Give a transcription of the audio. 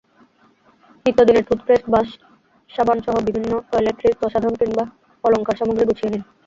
নিত্যদিনের toothpaste, brush, সাবানসহ বিভিন্ন টয়লেট্রিজ, প্রসাধন কিংবা অলংকারসামগ্রী গুছিয়ে নিন।